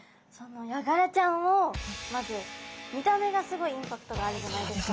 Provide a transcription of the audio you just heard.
ヤガラちゃんをまず見た目がすごいインパクトがあるじゃないですか。